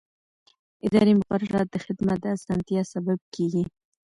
اداري مقررات د خدمت د اسانتیا سبب کېږي.